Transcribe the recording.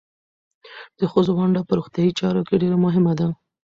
د ښځو ونډه په روغتیايي چارو کې ډېره مهمه ده.